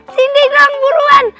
sini dong buruan